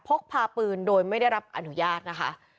พกพาปืนโดยไม่ได้รับอนุญาตนะคะ